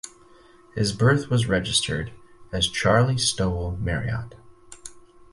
His birth was registered as "Charlie Stowell Marriott".